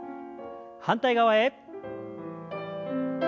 反対側へ。